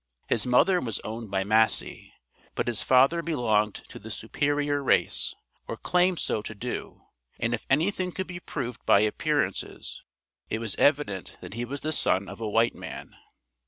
His mother was owned by Massey, but his father belonged to the "superior race" or claimed so to do, and if anything could be proved by appearances it was evident that he was the son of a white man.